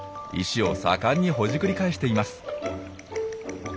石を盛んにほじくり返しています。